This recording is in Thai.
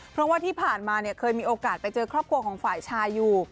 เพราะว่าที่ผ่านมาเนี่ยเคยมีโอกาสไปเจอครอบครัวของฝ่ายชายอยู่